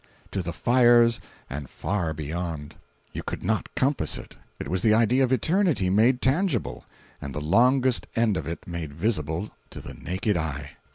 —to the fires and far beyond! You could not compass it—it was the idea of eternity made tangible—and the longest end of it made visible to the naked eye!